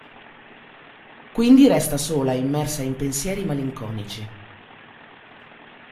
Quindi resta sola immersa in pensieri malinconici.